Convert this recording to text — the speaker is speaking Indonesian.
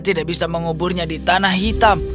tidak bisa menguburnya di tanah hitam